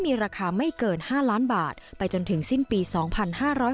มีราคาไม่เกินห้าล้านบาทไปจนถึงสิ้นปีสองพันห้าร้อย